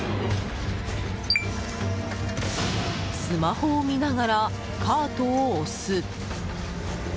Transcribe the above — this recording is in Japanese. スマホを見ながらカートを押す。